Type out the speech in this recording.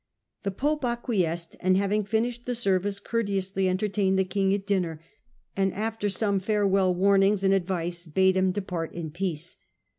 The pope acquiesced, and having finished the service, courteously entertained the king at ^nner, and, after some farewell warnings and advice, bade him depart in peace.